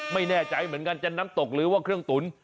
ไม่แน่ใจเหมือนกันจะน้ำตกหรือว่าเครื่องตุ๋น